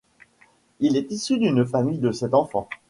Il est issu d’une famille de sept enfants.